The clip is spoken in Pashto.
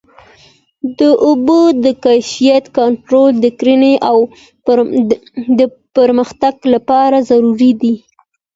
د اوبو د کیفیت کنټرول د کرنې د پرمختګ لپاره ضروري دی.